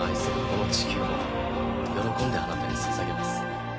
この地球も喜んであなたにささげます。